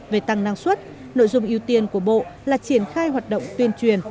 về tăng năng suất nội dung ưu tiên của bộ là triển khai hoạt động tuyên truyền